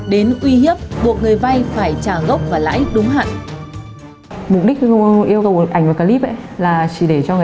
đến uy hiếp buộc người vay phải trả gốc và lãi đúng hạn